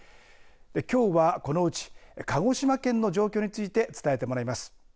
きょうはこのうち、鹿児島県の状況について伝えてもらえます。